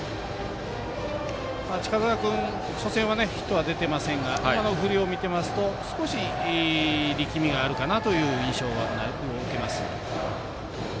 近澤君、初戦はヒットは出ていませんが今の振りを見てますと少し力みがあるかなという印象を受けます。